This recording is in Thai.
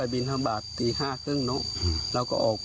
ใช่ต้องอัด